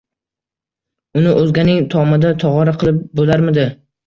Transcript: Uni o‘zganing tomida tog‘ora qilib bo‘larmidi?